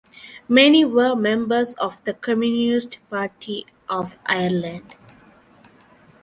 Many were members of the Communist Party of Ireland.